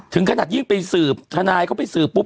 ถึงขนาดยิ่งไปสืบทนายเขาไปสืบปุ๊